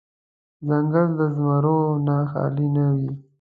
ځنګل د زمرو نه خالې نه وي.